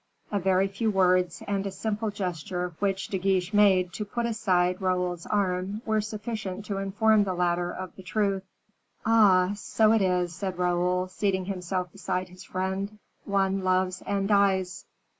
A very few words, and a simple gesture which De Guiche made to put aside Raoul's arm, were sufficient to inform the latter of the truth. "Ah! so it is," said Raoul, seating himself beside his friend; "one loves and dies."